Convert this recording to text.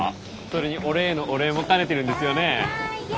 それに俺へのお礼も兼ねてるんですよね？